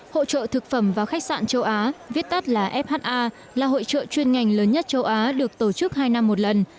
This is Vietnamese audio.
hội trợ thực phẩm và khách sạn châu á viết tắt là fha là hội trợ chuyên ngành lớn nhất châu á được tổ chức hai năm một lần